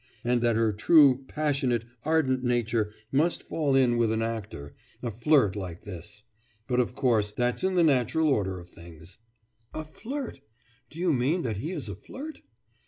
And that her true, passionate, ardent nature must fall in with an actor, a flirt like this! But of course that's in the natural order of things.' 'A flirt! Do you mean that he is a flirt?